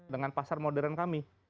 dengan pasar modern kami